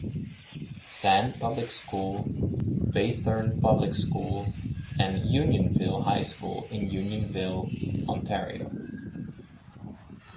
Sand Public School, Baythorn Public School, and Unionville High School in Unionville, Ontario.